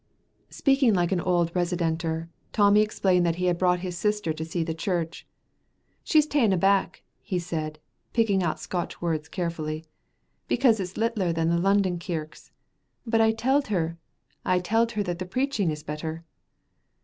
Speaking like an old residenter, Tommy explained that he had brought his sister to see the church. "She's ta'en aback," he said, picking out Scotch words carefully, "because it's littler than the London kirks, but I telled her I telled her that the preaching is better."